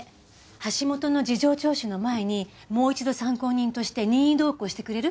橋本の事情聴取の前にもう一度参考人として任意同行してくれる？